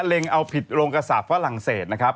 เล็งเอาผิดโรงกษาปฝรั่งเศสนะครับ